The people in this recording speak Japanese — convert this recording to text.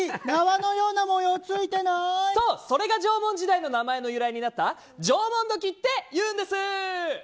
何かこの時そう、それが縄文時代の名前の由来になった縄文土器っていうんです！